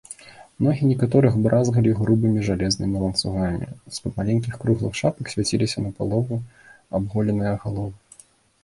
Ногі некаторых бразгалі грубымі жалезнымі ланцугамі, з-пад маленькіх круглых шапак свяціліся напалавіну абголеныя галовы.